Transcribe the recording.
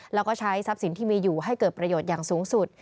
แล้วก็ใช้ทรัพย์สินที่มีอยู่ให้เกิดประโยชน์อย่างสูงสุด